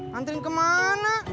nganterin ke mana